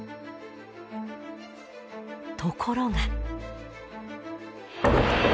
ところが。